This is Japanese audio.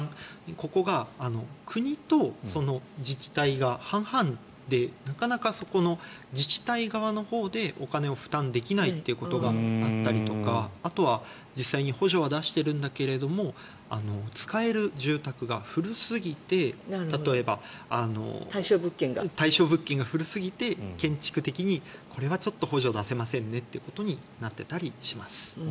ここが国とその自治体が半々でなかなかそこの自治体側のほうでお金を負担できないということがあったりとかあとは実際に補助は出しているんだけど使える住宅が古すぎて例えば対象物件が古すぎて建築的にこれはちょっと補助を出せませんよってことになっていたりします。